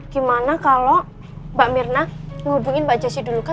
gimana kalo mbak mirna ngehubungin mbak jessy dulu kan